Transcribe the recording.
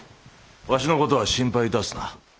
わしの事は心配致すな。